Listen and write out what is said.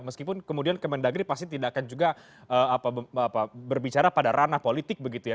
meskipun kemudian kemendagri pasti tidak akan juga berbicara pada ranah politik begitu ya